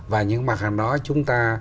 và những mặt hàng đó chúng ta